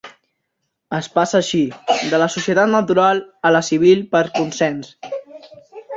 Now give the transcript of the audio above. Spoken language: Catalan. Es passa així, de la societat natural a la civil per consens.